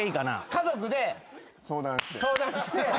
家族で相談して。